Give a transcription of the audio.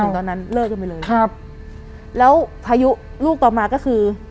ตอนนั้นเลิกกันไปเลยครับแล้วพายุลูกต่อมาก็คือ